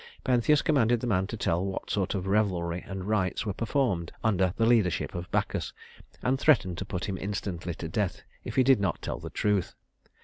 Pentheus commanded the man to tell what sort of revelry and rites were performed under the leadership of Bacchus; and threatened to put him instantly to death if he did not tell the truth.